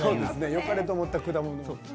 よかれと思って入れた果物